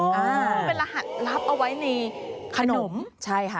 มันเป็นรหัสรับเอาไว้ในขนมใช่ค่ะ